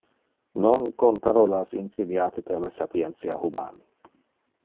Non con parolas inseniate per le sapientia human.